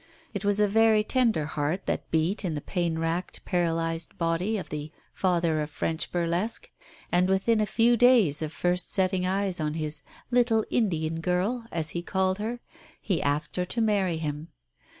It was a very tender heart that beat in the pain racked, paralysed body of the "father of French burlesque"; and within a few days of first setting eyes on his "little Indian girl," as he called her, he asked her to marry him.